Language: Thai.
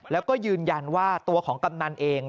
แล้วก็ยืนยันว่าตัวของกำนันเอง